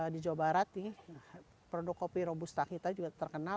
di jawa barat nih produk kopi robusta kita juga terkenal